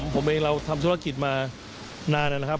ผมเราทำธุรกิจมานานนะครับ